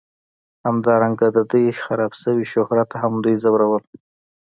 همدارنګه د دوی خراب شوي شهرت هم دوی ځورول